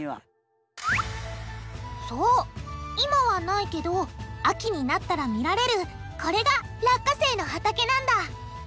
そう今はないけど秋になったら見られるこれが落花生の畑なんだ。